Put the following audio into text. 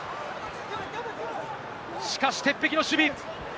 しかし、鉄壁の守備。